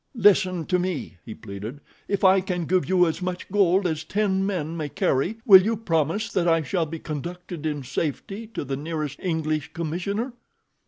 "Listen to me," he pleaded. "If I can give you as much gold as ten men may carry will you promise that I shall be conducted in safety to the nearest English commissioner?"